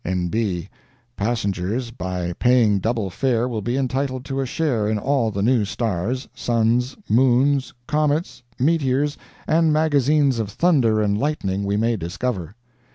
N. B. Passengers by paying double fare will be entitled to a share in all the new stars, suns, moons, comets, meteors, and magazines of thunder and lightning we may discover.